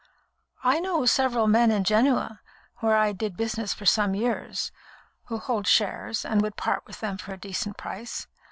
"I know several men in Genoa, where I did business for some years, who hold shares and would part with them for a decent price.